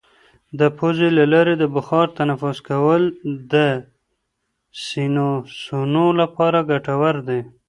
د پوزې له لارې د بخار تنفس کول د سینوسونو لپاره ګټور دي.